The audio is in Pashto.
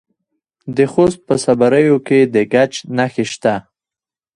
د خوست په صبریو کې د ګچ نښې شته.